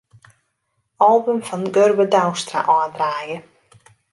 Album fan Gurbe Douwstra ôfdraaie.